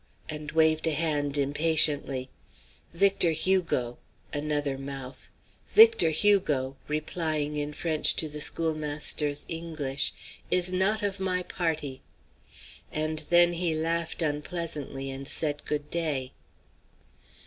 and waved a hand impatiently; "Victor Hugo" another mouth "Victor Hugo" replying in French to the schoolmaster's English "is not of my party." And then he laughed unpleasantly and said good day.